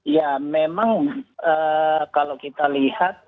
ya memang kalau kita lihat